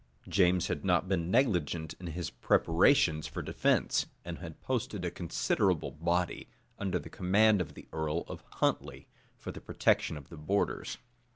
James had not been negligent in his preparations for defence, and had posted a considerable body, under the command of the earl of Huntley, for the protection of the borders.